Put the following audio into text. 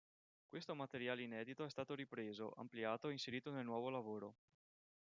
Questo materiale inedito è stato ripreso, ampliato e inserito nel nuovo lavoro.